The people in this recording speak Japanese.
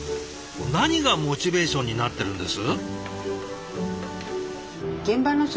何がモチベーションになってるんです？